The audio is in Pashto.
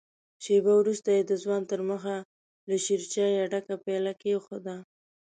شېبه وروسته يې د ځوان تر مخ له شيرچايه ډکه پياله کېښوده.